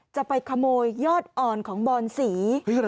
จะไปขโมยญาติอ่อนของบอนศรี